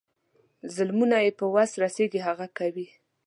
ظلمونه یې په وس رسیږي هغه کوي.